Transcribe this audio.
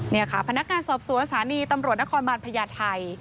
นี่ค่ะพนักงานสอบสวนสถานีตำรวจนครบาลพญาไทย